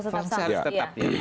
fungsi harus tetap